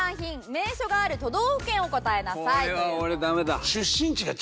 雷門がある都道府県を答えなさい。